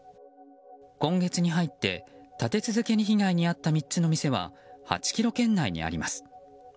今月に入って立て続けに被害に遭った３つの店は８ｋｍ圏内にあります。